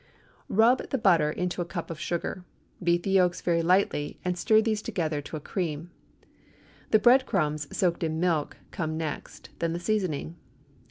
Rub the butter into a cup of sugar; beat the yolks very light, and stir these together to a cream. The bread crumbs, soaked in milk, come next, then the seasoning.